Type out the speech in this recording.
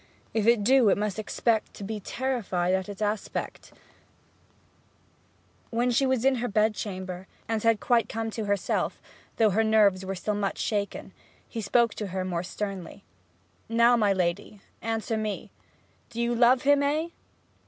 If it do it must expect to be terrified at his aspect ho ho ho!' When she was in her bed chamber, and had quite come to herself; though her nerves were still much shaken, he spoke to her more sternly. 'Now, my lady, answer me: do you love him eh?'